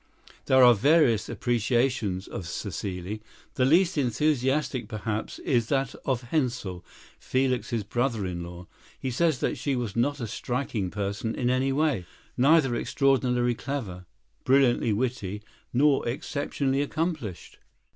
There are various "appreciations" of Cécile. The least enthusiastic, perhaps, is that of Hensel, Felix's brother in law. He says that she was not a striking person in anyway, neither extraordinarily clever, brilliantly witty, nor exceptionally accomplished.